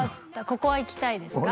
ここは行きたいですか？